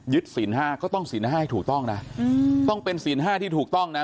ศีลห้าก็ต้องศีล๕ให้ถูกต้องนะต้องเป็นศีล๕ที่ถูกต้องนะ